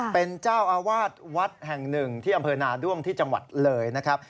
เป็นเจ้าอาวาสวัดแห่งหนึ่งที่อำเภอนาด้วงที่จังหวัดเลยนะครับ